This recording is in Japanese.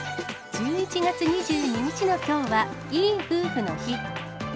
１１月２２日のきょうは、いい夫婦の日。